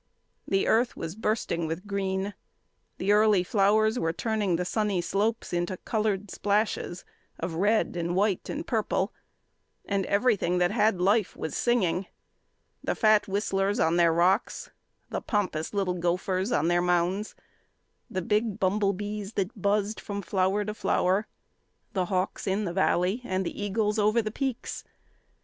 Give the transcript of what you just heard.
The earth was bursting with green; the early flowers were turning the sunny slopes into coloured splashes of red and white and purple, and everything that had life was singing the fat whistlers on their rocks, the pompous little gophers on their mounds, the big bumblebees that buzzed from flower to flower, the hawks in the valley, and the eagles over the peaks.